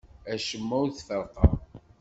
Acemma ur t-ferrqeɣ.